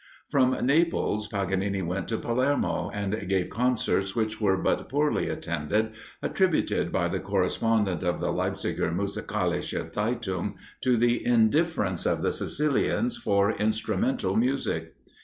From Naples Paganini went to Palermo, and gave concerts, which were but poorly attended, attributed by the correspondent of the "Leipziger Musikalische Zeitung" to the indifference of the Sicilians for instrumental music.